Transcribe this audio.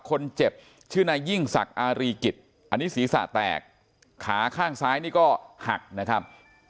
คนเจ็บชื่อนายยิ่งศักดิ์อารีกิจอันนี้ศีรษะแตกขาข้างซ้ายนี่ก็หักนะครับ